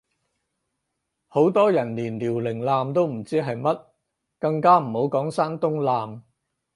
好多人連遼寧艦都唔知係乜，更加唔好講山東艦